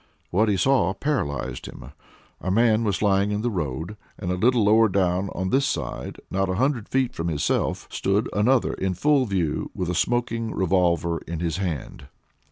What he saw paralyzed him! A man was lying in the road, and a little lower down on this side, not a hundred feet from himself, stood another in full view, with a smoking revolver in his hand.